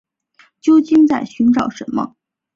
究竟在寻找什么